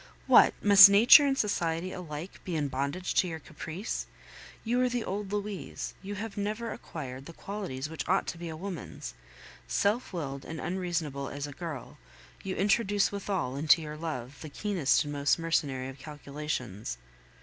What! must nature and society alike be in bondage to your caprice? You are the old Louise; you have never acquired the qualities which ought to be a woman's; self willed and unreasonable as a girl, you introduce withal into your love the keenest and most mercenary of calculations!